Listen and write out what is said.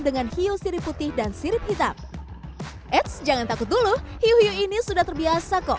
dengan hiu sirip putih dan sirip hitam eits jangan takut dulu hiu hiu ini sudah terbiasa kok